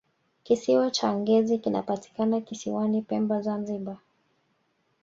kisiwa cha ngezi kinapatikana kisiwani pemba zanzibar